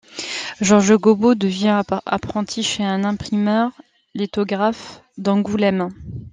Georges Gobeau devient apprenti chez un imprimeur lithographe d'Angoulême.